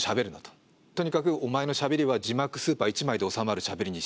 「とにかくお前のしゃべりは字幕スーパー１枚で収まるしゃべりにしろ」って。